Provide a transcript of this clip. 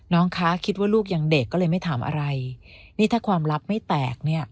น้องคะคิดว่าลูกยังเด็กก็เลยไม่ถามอะไรนี่ถ้าความลับไม่แตกเนี่ย